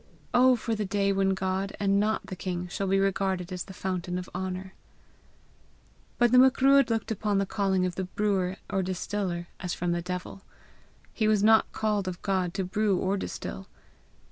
Oh for the day when God and not the king shall be regarded as the fountain of honour. But the Macruadh looked upon the calling of the brewer or distiller as from the devil: he was not called of God to brew or distil!